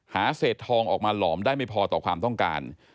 หาเศษทองออกมาหลอมได้ไม่พอต่อความต้องการ